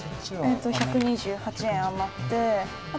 えっと１２８円余って。